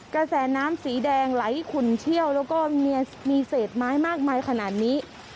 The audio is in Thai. กระแสน้ำสีแดงไหลขุนเชี่ยวแล้วก็มีเศษไม้มากมายขนาดนี้